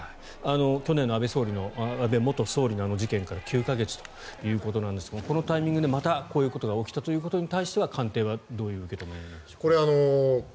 去年の安倍元総理のあの事件から９か月ということなんですがこのタイミングでまたこういうことが起きたということに対しては官邸はどういう受け止めなんでしょうか。